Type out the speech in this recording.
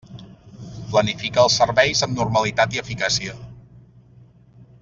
Planifica els serveis amb normalitat i eficàcia.